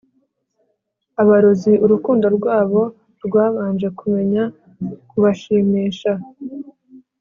abarozi urukundo rwabo rwabanje kumenya kubashimisha